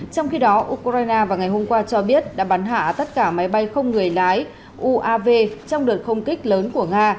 trong khi đó ukraine vào ngày hôm qua cho biết đã bắn hạ tất cả máy bay không người lái uav trong đợt không kích lớn của nga